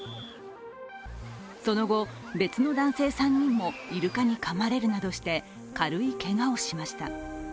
その後、別の男性３人もイルカにかまれるなどして軽いけがをしました。